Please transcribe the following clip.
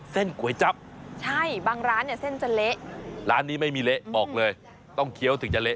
ก๋วยจับใช่บางร้านเนี่ยเส้นจะเละร้านนี้ไม่มีเละบอกเลยต้องเคี้ยวถึงจะเละ